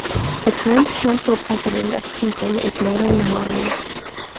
The current council president of Clinton is Merlin Mowery.